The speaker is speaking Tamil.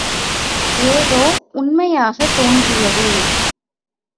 ஏதோ உண்மையாகத் தோன்றியது.